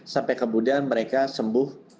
sampai kemudian mereka sembuh